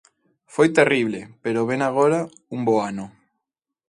Foi terrible, pero vén agora un bo ano.